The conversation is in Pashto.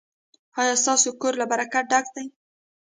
ایا ستاسو کور له برکت ډک دی؟